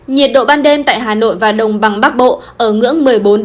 nhiệt độ ban đêm tại hà nội và đồng bằng bắc bộ ở ngưỡng một mươi bốn ba mươi